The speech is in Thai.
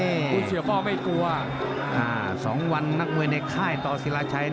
คุณเสือโป้วไม่กลัว๒วันนักมวยในค่ายต่อศิลาชัย